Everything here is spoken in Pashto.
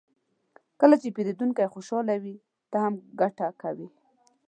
کله چې پیرودونکی خوشحال وي، ته هم ګټه کوې.